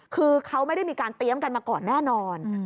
คือเขาไม่ได้มีการเตรียมกันมาก่อนแน่นอน